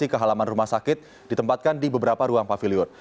ke halaman rumah sakit ditempatkan di beberapa ruang pavilion